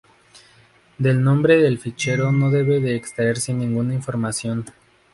Del nombre del fichero no debe de extraerse ninguna información.